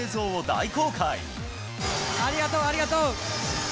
ありがとう、ありがとう。